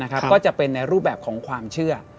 ก็จะเป็นในรูปแบบของความเชื่อ